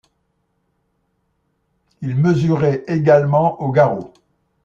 Il mesurait également au garrot.